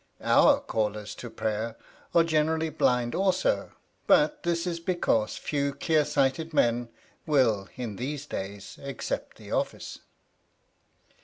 Our callers to prayer are generally blind also; but this is because few clearsighted men will in these days accept the office.